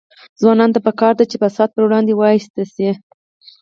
ځوانانو ته پکار ده چې، فساد پر وړاندې وایسته شي.